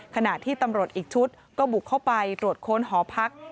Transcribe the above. ขณะที่ตำรวจอีกชุดก็บุกเข้าไปตรวจค้นหอพัก